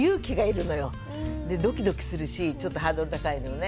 ドキドキするしちょっとハードル高いのよね。